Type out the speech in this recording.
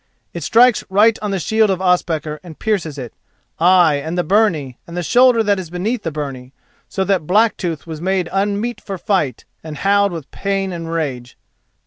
It strikes right on the shield of Ospakar and pierces it, ay and the byrnie, and the shoulder that is beneath the byrnie, so that Blacktooth was made unmeet for fight, and howled with pain and rage.